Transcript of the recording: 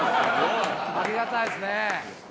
ありがたいですね。